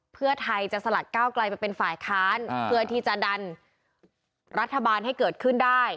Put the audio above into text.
เพื่อไทยจะสลัดก้าวไกลไปเป็นฝ่ายค้านเพื่อที่จะดันรัฐบาลให้เกิดขึ้นได้